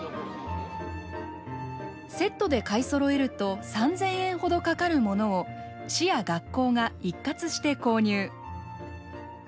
セットで買いそろえると３，０００円ほどかかるものを市や学校が一括して購入。